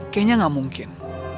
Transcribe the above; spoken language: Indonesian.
kayaknya gak mungkin